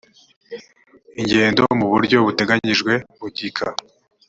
ingendo mu buryo buteganyijwe mu gika